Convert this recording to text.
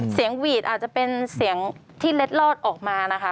หวีดอาจจะเป็นเสียงที่เล็ดลอดออกมานะคะ